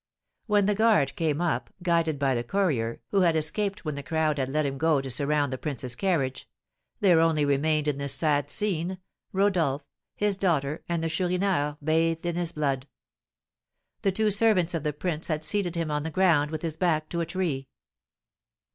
When the guard came up, guided by the courier (who had escaped when the crowd had let him go to surround the prince's carriage), there only remained in this sad scene, Rodolph, his daughter, and the Chourineur, bathed in his blood. The two servants of the prince had seated him on the ground, with his back to a tree.